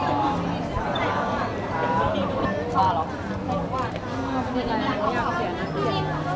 อันนี้มันเป็นอันที่เกี่ยวกับเมืองที่เราอยู่ในประเทศอเมริกา